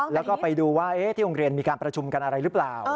แล้วก็ไปดูว่าที่โรงเรียนมีการประชุมกันอะไรหรือเปล่า